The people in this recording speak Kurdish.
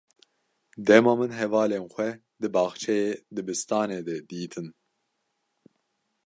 Dema min hevalên xwe di baxçeyê dibistanê de dîtin.